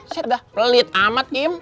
seda pelit amat im